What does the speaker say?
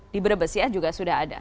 di brebes ya juga sudah ada